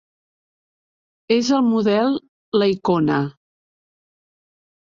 És el model, la icona.